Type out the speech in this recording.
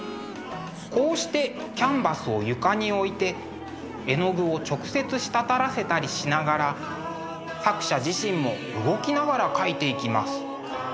こうしてキャンバスを床に置いて絵の具を直接滴らせたりしながら作者自身も動きながら描いていきます。